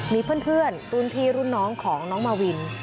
มีเพื่อนรุ่นพี่รุ่นน้องของน้องมาวิน